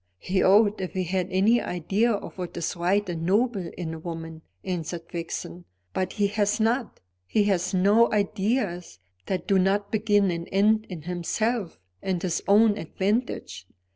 "He ought, if he had any idea of what is right and noble in a woman," answered Vixen. "But he has not. He has no ideas that do not begin and end in himself and his own advantage.